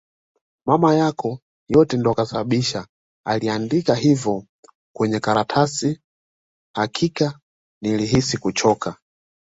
Mama yako yote ndo kasababisha aliniandikia hivo kwenye karatasi hakika nilihisi kuchoka